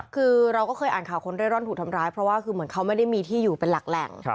คือเราก็เคยอ่านข่าวคนเร่ร่อนถูกทำร้ายเพราะว่าคือเหมือนเขาไม่ได้มีที่อยู่เป็นหลักแหล่ง